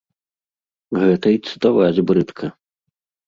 Гэта й цытаваць брыдка.